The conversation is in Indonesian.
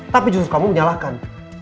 tapi justru kamu menyalahkan